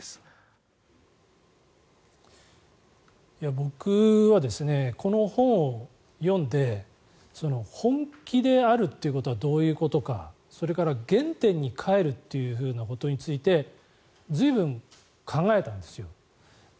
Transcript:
僕はこの本を読んで本気であるということはどういうことかそれから原点に返るっていうことについて随分、考えたんですよ。